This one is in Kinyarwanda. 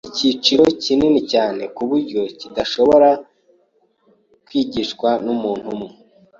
Icyiciro ni kinini cyane kuburyo kitashobora kwigishwa numuntu umwe.